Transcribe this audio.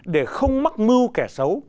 để không mắc mưu kẻ xấu